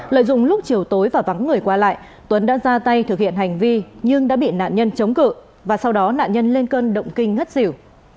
lợi dụng lúc chiều tối và vắng người qua lại tuấn đã ra tay thực hiện hành vi nhưng đã bị nạn nhân chống cự và sau đó nạn nhân lên cơn động kinh ngất xỉu